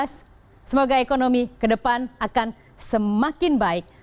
ekonomi dua ribu tujuh belas semoga ekonomi ke depan akan semakin baik